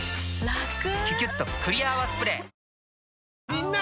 みんな！